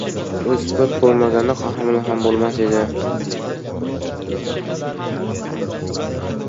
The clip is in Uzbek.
• Musibat bo‘lmaganda qahramonlar ham bo‘lmas edi.